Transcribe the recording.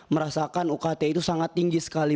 merasakan ukt itu sangat tinggi sekali